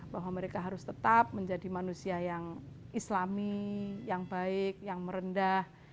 bahwa mereka harus tetap menjadi manusia yang islami yang baik yang merendah